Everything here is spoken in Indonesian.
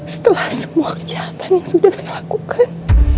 setelah semua kejahatan yang sudah saya lakukan